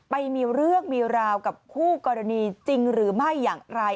ไปมีเรื่องมีราวกับคู่กรณีจริงหรือไม่อย่างไร